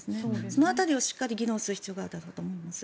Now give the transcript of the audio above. その辺りをしっかり議論する必要があると思います。